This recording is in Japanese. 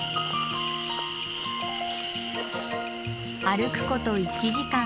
歩くこと１時間。